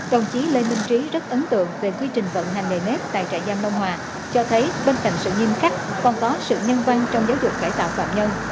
đồng chí lê minh trí rất ấn tượng về quy trình vận hành nề nếp tại trại giam đông hòa cho thấy bên cạnh sự nghiêm khắc còn có sự nhân văn trong giáo dục cải tạo phạm nhân